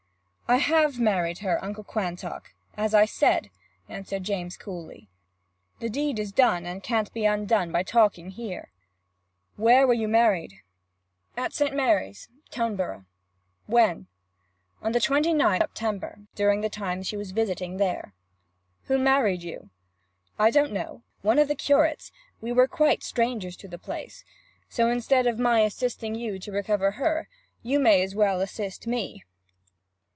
'I have married her, Uncle Quantock, as I said,' answered James coolly. 'The deed is done, and can't be undone by talking here.' 'Where were you married?' 'At St. Mary's, Toneborough.' 'When?' 'On the 29th of September, during the time she was visiting there.' 'Who married you?' 'I don't know. One of the curates we were quite strangers to the place. So, instead of my assisting you to recover her, you may as well assist me.'